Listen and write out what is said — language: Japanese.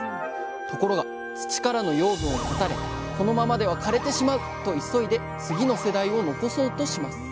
ところが土からの養分を断たれこのままでは枯れてしまうと急いで次の世代を残そうとします危機を感じた。